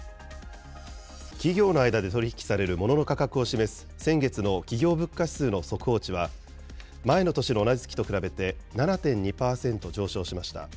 企業の間で取り引きされるモノの価格を示す先月の企業物価指数の速報値は、前の年の同じ月と比べて７．２％上昇しました。